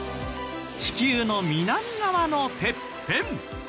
地球の南側のてっぺん。